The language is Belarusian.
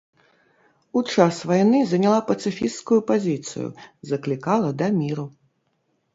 У час вайны заняла пацыфісцкую пазіцыю, заклікала да міру.